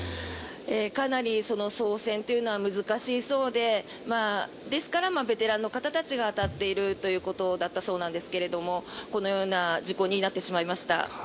かなり操船というのは難しいそうでですから、ベテランの方たちが当たっているということだそうなんですがこのような事故になってしまいました。